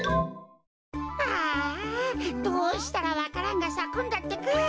ああどうしたらわからんがさくんだってか。